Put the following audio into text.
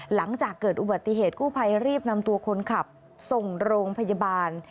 หลังจากเกิดอุบัติเหตุกู้ภัยรีบนำตัวคนขับส่งโรงพยาบาล